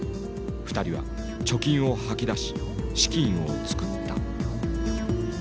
２人は貯金を吐き出し資金を作った。